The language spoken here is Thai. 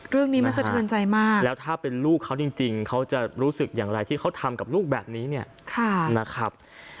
เรื่องนี้มันสะเทือนใจมากแล้วถ้าเป็นลูกเขาจริงเขาจะรู้สึกอย่างไรที่เขาทำกับลูกแบบนี้เนี่ยนะครับ